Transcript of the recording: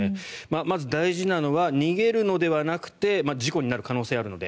まず大事なのは逃げるのではなくて事故になる可能性があるので。